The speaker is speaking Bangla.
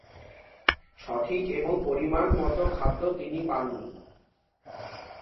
সঠিক এবং পরিমান মতন খাদ্য তিনি পাননি।